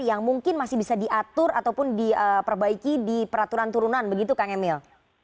yang mungkin masih bisa diatur ataupun diperbaiki di peraturan turunan begitu kang emil